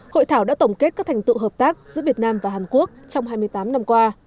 hội thảo đã tổng kết các thành tựu hợp tác giữa việt nam và hàn quốc trong hai mươi tám năm qua